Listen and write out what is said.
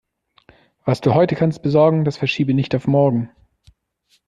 Was du heute kannst besorgen, das verschiebe nicht auf morgen.